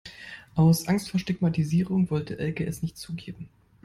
Aus Angst vor Stigmatisierung wollte Elke es nicht zugeben.